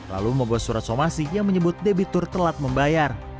lalu mogos surat somasi yang menyebut debitur telat membayar